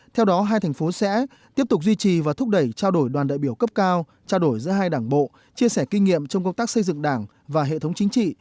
theo đó hai thành phố sẽ tiếp tục duy trì và thúc đẩy trao đổi đoàn đại biểu cấp cao trao đổi giữa hai đảng bộ chia sẻ kinh nghiệm trong công tác xây dựng đảng và hệ thống chính trị